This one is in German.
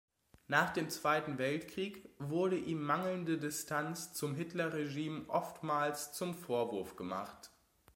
Nach dem Zweiten Weltkrieg wurde ihm mangelnde Distanz zum Hitler-Regime oftmals zum Vorwurf gemacht.